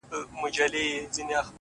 ماته به بله موضوع پاته نه وي،